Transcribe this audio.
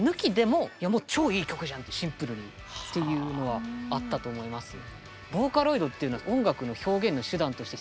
もう超いい曲じゃんってシンプルにっていうのはあったと思いますね。